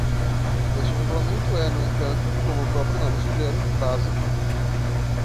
Este regulamento é, no entanto, como o próprio nome sugere, básico.